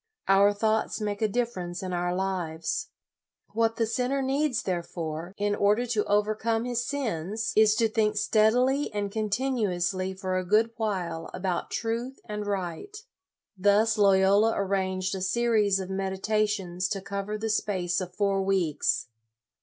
Our thoughts make a difference in our lives. What the sinner needs, there 68 LOYOLA fore, in order to overcome his sins is to think steadily and continuously for a good while about truth and right. Thus Loyola arranged a series of meditations to cover the space of four weeks.